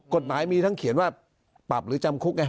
กฎหมายมีทั้งเขียนว่าปรับหรือจำคุกไง